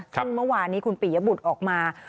ซึ่งเมื่อวานนี้คุณปียบุตรออกมา